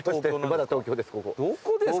まだ東京です